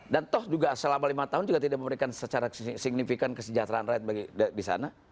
dan toh juga selama lima tahun juga tidak memberikan secara signifikan kesejahteraan rakyat di sana